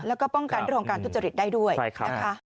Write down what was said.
แล้วก็ป้องกันเรื่องของการทุจริตได้ด้วยนะคะ